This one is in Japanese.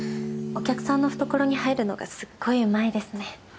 お客さんの懐に入るのがすっごいうまいですね。